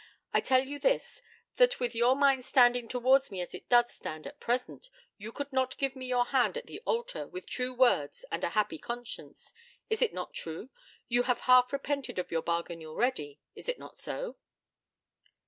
I tell you this, that with your mind standing towards me as it does stand at present you could not give me your hand at the altar with true words and a happy conscience. Is it not true? You have half repented of your bargain already. Is it not so?'